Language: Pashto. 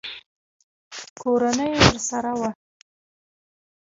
کورنۍ ورسره وه.